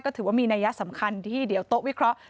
ถือว่ามีนัยสำคัญที่เดี๋ยวโต๊ะวิเคราะห์